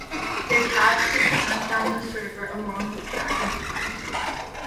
Their task is to hunt down The Server along with Jack and his Friends.